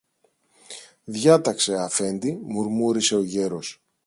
Διάταξε, Αφέντη, μουρμούρισε ο γέρος.